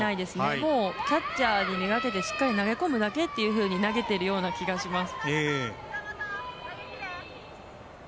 もうキャッチャーにめがけてしっかり投げ込むだけと投げてるような気がします。